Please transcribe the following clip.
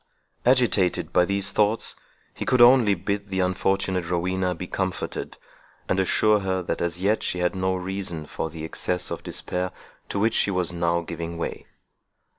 Agitated by these thoughts, he could only bid the unfortunate Rowena be comforted, and assure her, that as yet she had no reason for the excess of despair to which she was now giving way.